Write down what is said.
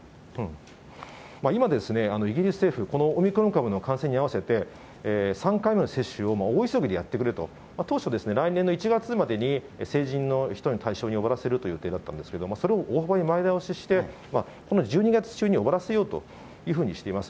今ですね、イギリス政府、このオミクロン株の感染に合わせて、３回目の接種を大急ぎでやってくれと、当初、来年の１月までに、成人の人を対象に終わらせるという予定だったんですけれども、それを大幅に前倒しして、この１２月中に終わらせようというふうにしています。